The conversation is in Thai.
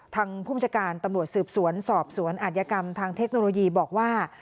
ทางภูมิชาการตำรวจสืบสวนสอบสวนอาจยกรรมทางเทคโนโลยีบอกว่า